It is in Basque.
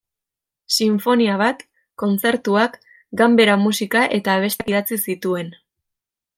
Sinfonia bat, kontzertuak, ganbera-musika eta abestiak idatzi zituen.